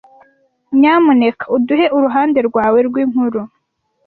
Nyamuneka uduhe uruhande rwawe rw'inkuru.